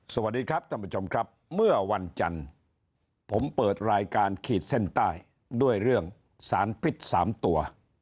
สวัสดีครับท่านผู้ชมครับเมื่อวันจันทร์ผมเปิดรายการขีดเส้นใต้ด้วยเรื่องสารพิษ๓ตัว